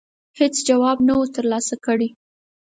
هېڅ جواب نه وو ترلاسه کړی.